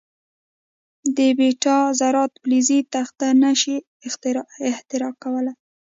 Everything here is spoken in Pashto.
د بیټا ذرات فلزي تخته نه شي اختراق کولای.